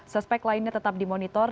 suspek lainnya tetap dimonitor